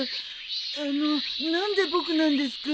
あの何で僕なんですか？